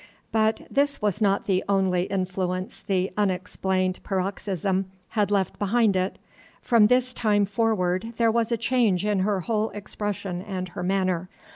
But this was not the only influence the unexplained paroxysm had left behind it. From this time forward there was a change in her whole expression and her manner.